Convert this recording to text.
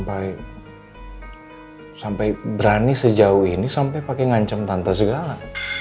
aku gak bisa pikir aja kenapa dia sampai berani sejauh ini sampai pakai ngancem tante segala